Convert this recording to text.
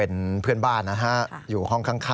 แล้วก็ลุกลามไปยังตัวผู้ตายจนถูกไฟคลอกนะครับ